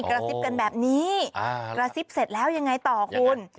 กระซิบกันแบบนี้กระซิบเสร็จแล้วยังไงต่อคุณ